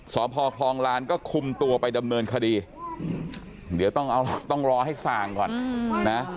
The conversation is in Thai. สอบภาคลองลานก็คุมตัวไปดำเนินคดีเดี๋ยวต้องรอให้ส่างก่อนนะ